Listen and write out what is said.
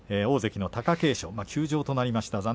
大関の貴景勝休場となりました。